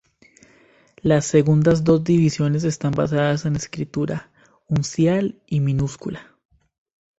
Las segundas dos divisiones están basadas en escritura: uncial y minúscula.